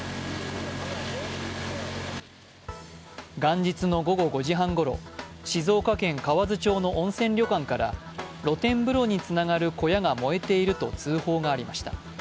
元日の午後５時半ごろ、静岡県河津町の温泉旅館から露天風呂につながる小屋が燃えていると通報がありました。